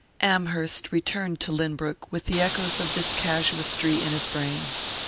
Amherst returned to Lynbrook with the echoes of this casuistry in his brain.